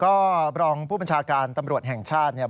ก็รองผู้บัญชาการตำรวจแห่งชาติเนี่ย